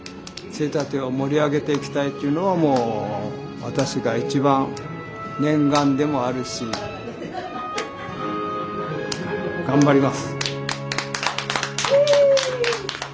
杖立を盛り上げていきたいっていうのがもう私が一番念願でもあるし頑張ります。